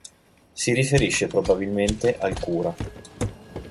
Si riferisce probabilmente al cura.